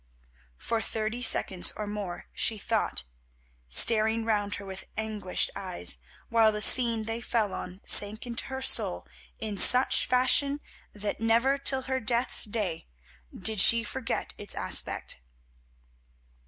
For thirty seconds or more she thought, staring round her with anguished eyes, while the scene they fell on sank into her soul in such fashion that never till her death's day did she forget its aspect.